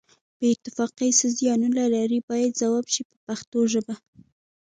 بې اتفاقي څه زیانونه لري باید ځواب شي په پښتو ژبه.